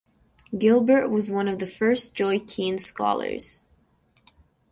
Gilbert was one of the first Joycean scholars.